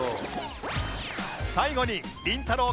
最後にりんたろー。